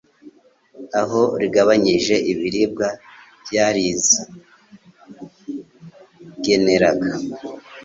aho rigabanyirije ibiribwa ryazigeneraga